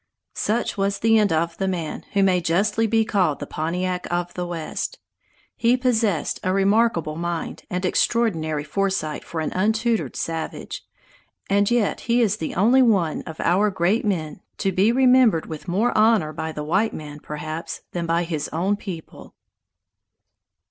Such was the end of the man who may justly be called the Pontiac of the west. He possessed a remarkable mind and extraordinary foresight for an untutored savage; and yet he is the only one of our great men to be remembered with more honor by the white man, perhaps, than by his own people.